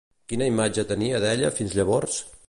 Quina imatge tenia d'ella fins llavors?